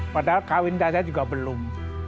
padahal kawin tanya juga belum